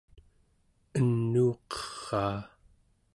enuuqeraa